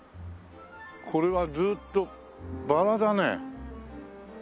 これはずーっとバラだねえ。